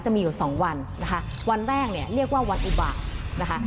จะมีอยู่สองวันนะคะวันแรกเนี่ยเรียกว่าวันอุบะนะคะ